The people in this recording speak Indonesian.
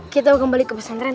kita kembali ke pesantren